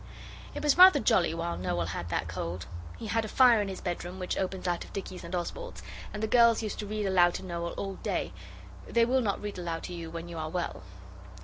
It was rather jolly while Noel had that cold. He had a fire in his bedroom which opens out of Dicky's and Oswald's, and the girls used to read aloud to Noel all day; they will not read aloud to you when you are well.